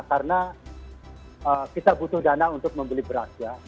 karena kita butuh dana untuk membeli berat ya